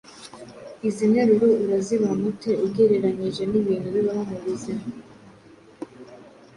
Izi nteruro urazibona ute ugereranyije n’ibintu bibaho mu buzima?